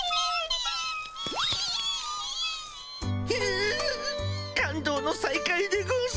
うう感動の再会でゴンス。